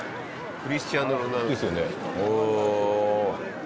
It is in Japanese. クリスティアーノ・ロナウド。ですよね？